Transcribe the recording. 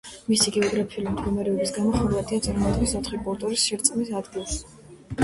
მისი გეოგრაფიული მდგომარეობის გამო, ხორვატია წარმოადგენს ოთხი კულტურის შერწყმის ადგილს.